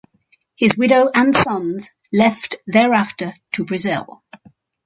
His widow and sons left thereafter to Brazil.